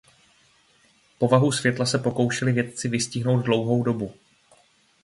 Povahu světla se pokoušeli vědci vystihnout dlouhou dobu.